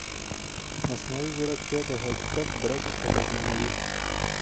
مصنوعي ځیرکتیا د حقیقت درک اغېزمنوي.